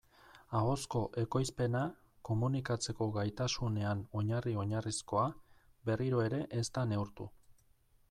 Ahozko ekoizpena, komunikatzeko gaitasunean oinarri-oinarrizkoa, berriro ere ez da neurtu.